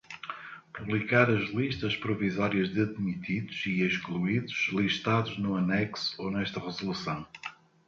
Publicar as listas provisórias de admitidos e excluídos listados no anexo ou nesta resolução.